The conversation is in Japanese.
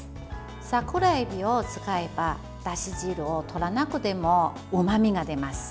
桜えびを使えば、だし汁をとらなくてもうまみが出ます。